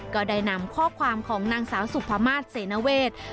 ก็ได้นำข้อความของนางสาวสุภามาศเสนเวท